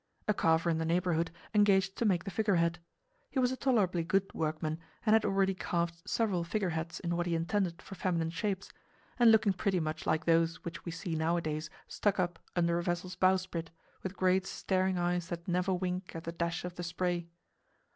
A carver in the neighborhood engaged to make the figurehead. He was a tolerably good workman and had already carved several figureheads in what he intended for feminine shapes, and looking pretty much like those which we see nowadays stuck up under a vessel's bowsprit, with great staring eyes that never wink at the dash of the spray.